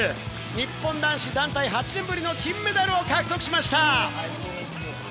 日本男子団体８年ぶりの金メダルを獲得しました。